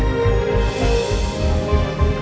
kita bisa berdua kita bisa berdua